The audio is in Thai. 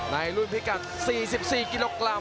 ในรุ่นพิกัด๔๔กิโลกรัม